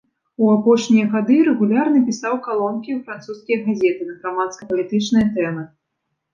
У апошнія гады рэгулярна пісаў калонкі ў французскія газеты на грамадска-палітычныя тэмы.